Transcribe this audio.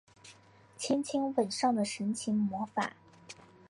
轻轻吻上的神奇魔法